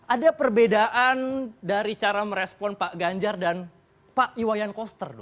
ada perbedaan dari cara merespon pak ganjar dan pak iwayan koster